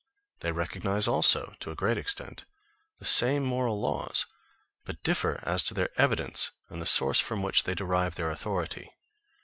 They recognise also, to a great extent, the same moral laws; but differ as to their evidence, and the source from which they derive their authority.